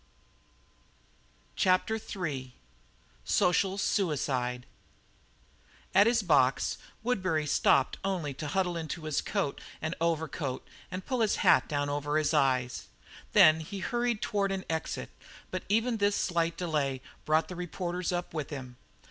CHAPTER III SOCIAL SUICIDE At his box, Woodbury stopped only to huddle into his coat and overcoat and pull his hat down over his eyes. Then he hurried on toward an exit, but even this slight delay brought the reporters up with him.